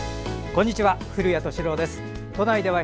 こんにちは。